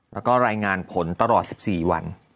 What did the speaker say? แล้วก็รายงานผลตลอด๑๔วัน